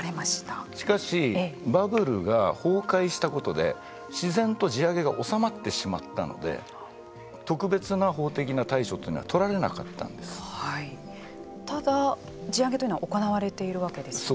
しかし、バブルが崩壊したことで自然と地上げが収まってしまったので特別な法的な対処というのはただ、地上げというのは行われているわけですよね。